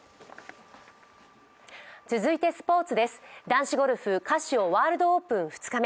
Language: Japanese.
続いてスポーツです、男子ゴルフ、カシオワールドオープン２日目。